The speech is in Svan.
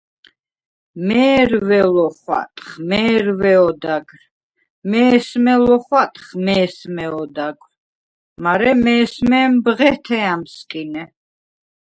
მე̄რვე ლოხატხ, მე̄რვე ოდაგრ, მე̄სმე ლოხვატხ, მე̄სმე ოდაგრ, მარე მე̄სმემ ბღეთე ა̈მსკინე.